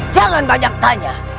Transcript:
jangan banyak tanya